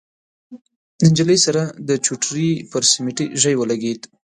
د نجلۍ سر د چوترې پر سميټي ژۍ ولګېد.